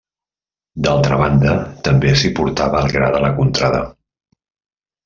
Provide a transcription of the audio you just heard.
D'altra banda, també s'hi portava el gra de la contrada.